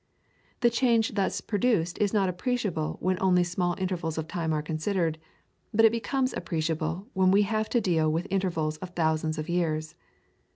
The change thus produced is not appreciable when only small intervals of time are considered, but it becomes appreciable when we have to deal with intervals of thousands of years.